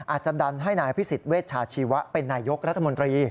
อาจจะดันให้นายอภิษฎเวชาชีวะเป็นนายยกรัฐมนตรี